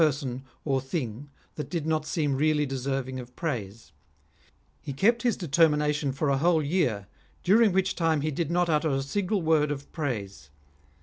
person or thing that did not seem really deserving of praise. He kept his determination for a whole year, during which 134 REMARKABLE SAYINGS OF time he did not utter a single word of praise.